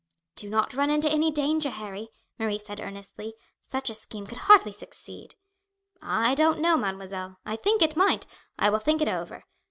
"Do not run into any danger, Harry," Marie said earnestly. "Such a scheme could hardly succeed." "I don't know, mademoiselle. I think it might. I will think it over.